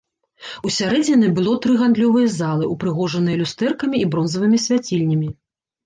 Усярэдзіне было тры гандлёвыя залы, упрыгожаныя люстэркамі і бронзавымі свяцільнямі.